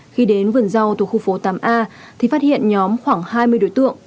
khi đến vườn rau thuộc khu phố tám a thì phát hiện nhóm khoảng hai mươi đối tượng